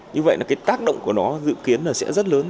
như vậy là cái tác động của nó dự kiến là sẽ rất lớn